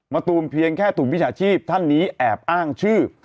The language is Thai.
ตูมเพียงแค่ถูกมิจฉาชีพท่านนี้แอบอ้างชื่อ